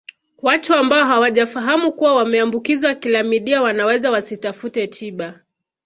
Watu ambao hawajafahamu kuwa wameambukizwa klamidia wanaweza wasitafute tiba